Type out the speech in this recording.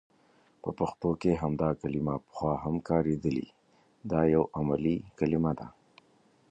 په پښتو کې همدا کلمه پخوا هم کاریدلي، ځکه دا یو علمي کلمه ده.